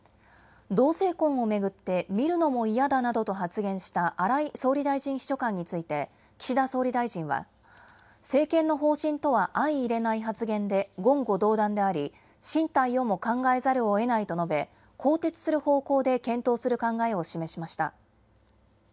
同性婚を巡って見るのも嫌だなどと発言した荒井総理大臣秘書官について岸田総理大臣は政権の方針とは相いれない発言で言語道断であり進退をも考えざるをえないと述べ更迭する方向で検討する考えを示しました。